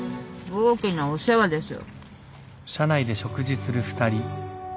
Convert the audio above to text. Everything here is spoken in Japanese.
大きなお世話です。